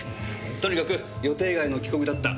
とにかく予定外の帰国だった。